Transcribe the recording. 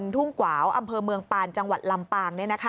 ทุ่งกวาวอำเภอเมืองปานจังหวัดลำปาง